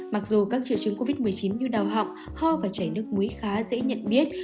mặc dù các triệu chứng covid một mươi chín như đau họng ho và chảy nước muối khá dễ nhận biết